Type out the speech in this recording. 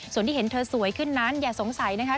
ส่วนที่เห็นเธอสวยขึ้นนั้นอย่าสงสัยนะคะ